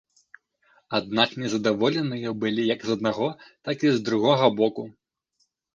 Аднак незадаволеныя былі як з аднаго, так і з другога боку.